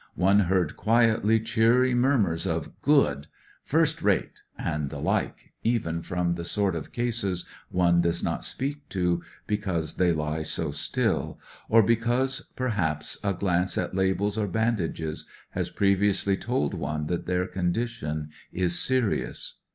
One heard quietly cheery murmurs of "Good!" "First rate I " and the Uke, even from the sort of " cases " one does not speak to, because ON THE WAY TO LONDON 285 they lie so still, or because, perhaps, a glance at labels or bandages has pre viously told one that their condition is serious.